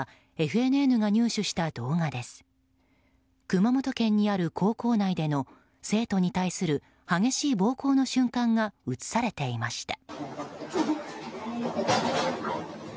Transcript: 熊本県にある高校内での生徒に対する激しい暴行の瞬間が映されていました。